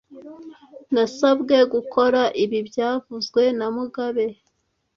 Nasabwe gukora ibi byavuzwe na mugabe